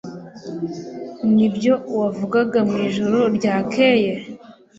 Nibyo wavugaga mwijoro ryakeye?